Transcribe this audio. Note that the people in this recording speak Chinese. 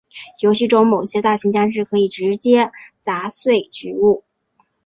游戏中某些大型僵尸可以直接砸碎植物。